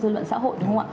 luận xã hội